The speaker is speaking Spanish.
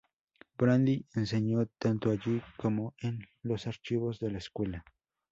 Brandi enseñó tanto allí como en los Archivos de la escuela.